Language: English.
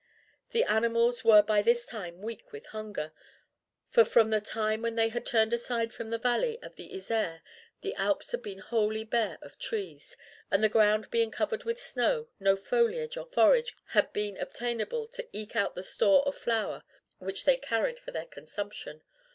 The animals were by this time weak with hunger, for from the time when they had turned aside from the valley of the Isere the Alps had been wholly bare of trees, and the ground being covered with snow, no foliage or forage had been obtainable to eke out the store of flour which they carried for their consumption.